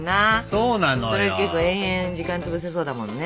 それ結構延々時間つぶせそうだもんね。